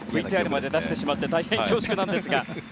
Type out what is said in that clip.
ＶＴＲまで出してしまって大変、恐縮なんですが。